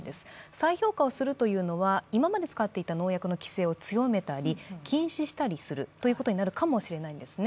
再評価をするというのは、今まで使っていた農薬の規制を強めたり、禁止したりするということになるかもしれないんですね。